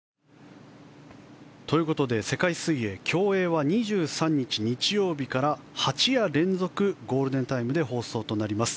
世界水泳競泳は２３日、日曜日から８夜連続ゴールデンタイムで放送となります。